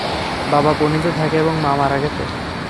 বাবা পুনেতে থাকে এবং মা মারা গেছে।